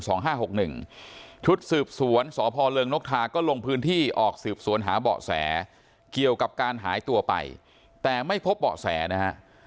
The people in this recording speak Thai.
ชุดสืบสวนสพเริงนกทาก็ลงพื้นที่ออกสืบสวนหาเบาะแสเกี่ยวกับการหายตัวไปแต่ไม่พบเบาะแสนะฮะ